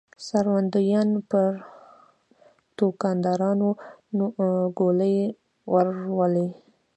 څارندويانو پر توندکارو ګولۍ وورولې.